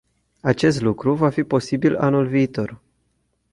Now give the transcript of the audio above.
Acest lucru va fi posibil anul viitor.